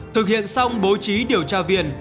thực hiện xong bố trí điều tra viên